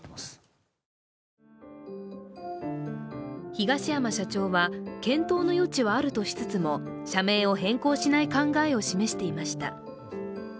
東山社長は検討の余地はあるとしつつも社名を変更しない考えを示していました。